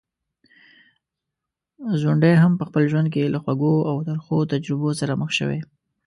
ځونډی هم په خپل ژوند کي له خوږو او ترخو تجربو سره مخ شوی.